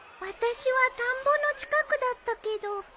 私は田んぼの近くだったけど。